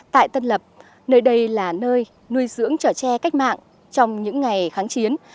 tại tân lập nơi đây là nơi nuôi dưỡng trở tre cách mạng trong những ngày kháng chiến